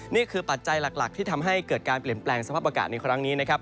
ปัจจัยหลักที่ทำให้เกิดการเปลี่ยนแปลงสภาพอากาศในครั้งนี้นะครับ